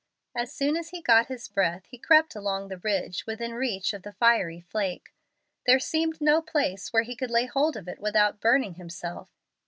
As soon as he got his breath, he crept along the ridge within reach of the fiery flake. There seemed no place where he could lay hold of it without burning himself.